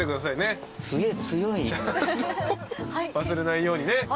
忘れないようにね。